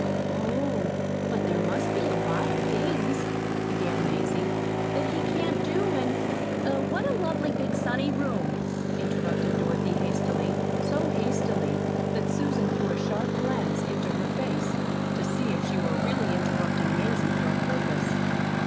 "Oh, but there must be a lot of things," began Mazie, "that he can't do, and " "Er what a lovely big, sunny room," interrupted Dorothy hastily, so hastily that Susan threw a sharp glance into her face to see if she were really interrupting Mazie for a purpose.